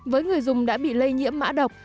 với người dùng đã bị lây nhiễm mã độc